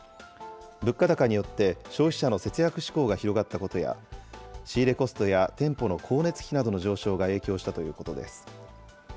物価高によって消費者の節約志向が広がったことや、仕入れコストや店舗の光熱費などの上昇が影響したということです。